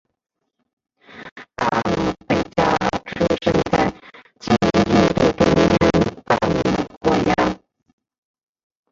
阿姆倍伽尔出生在今印度中央邦姆霍沃。